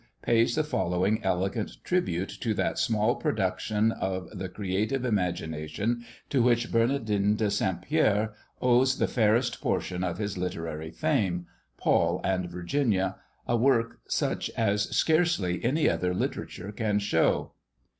pays the following eloquent tribute to that small production of the creative imagination to which Bernardin de St. Pierre owes the fairest portion of his literary fame Paul and Virginia a work such as scarcely any other literature can show.